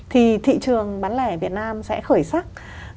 thì thị trường bán lẻ việt nam sẽ khởi sắc